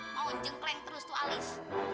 mau jengkleng terus tuh alis